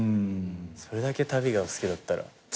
それだけ旅が好きだったら。